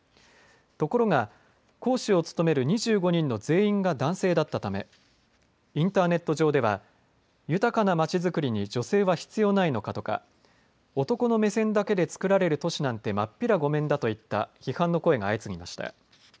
ところが、講師を務める２５人の全員が男性だったため、インターネット上では、豊かな街づくりに女性は必要ないのか？とか、男の目線だけで作られる都市なんて真っ平ごめんだといった批判の声が相次ぎました。